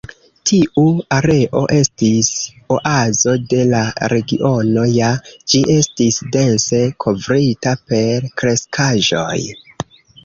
Tiu areo estis oazo de la regiono, ja ĝi estis dense kovrita per kreskaĵoj.